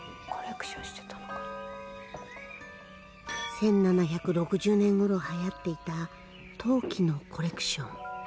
１７６０年ごろはやっていた陶器のコレクション。